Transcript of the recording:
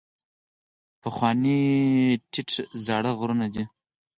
پخواني ټیټ زاړه غرونه دي.